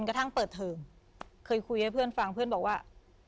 กระทั่งเปิดเทอมเคยคุยให้เพื่อนฟังเพื่อนบอกว่า